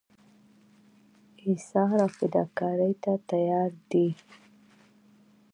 ایثار او فداکارۍ ته تیار دي.